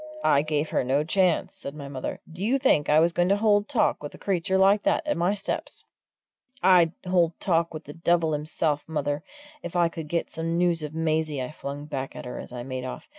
"I gave her no chance," said my mother. "Do you think I was going to hold talk with a creature like that at my steps?" "I'd hold talk with the devil himself, mother, if I could get some news of Maisie!" I flung back at her as I made off.